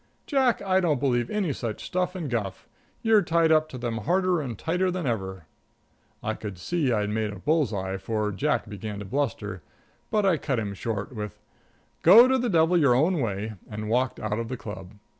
"Jack, I don't believe any such stuff and guff. You're tied up to them harder and tighter than ever." I could see I'd made a bull's eye, for Jack began to bluster, but I cut him short with: "Go to the devil your own way," and walked out of the club.